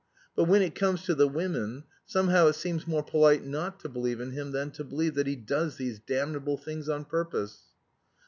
But when it comes to the women, somehow it seems more polite not to believe in him than to believe that he does these damnable things on purpose."